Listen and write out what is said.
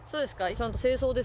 ちゃんと。